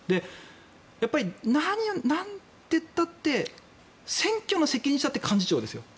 やっぱりなんと言ったって選挙の責任者って幹事長ですよ。